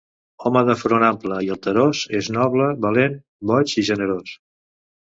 Home de front ample i alterós és noble, valent, boig i generós.